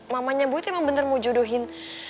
mamanya boy tuh emang bener mau jodohin